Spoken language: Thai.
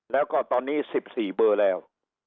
แล้วก็ตอนนี้๑๔เบอร์แล้ว